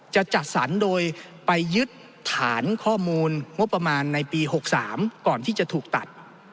จะจัดสรรโดยไปยึดฐานข้อมูลงบประมาณในปี๖๓ก่อนที่จะถูกตัด